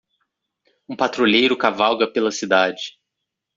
Um patrulheiro cavalga pela cidade.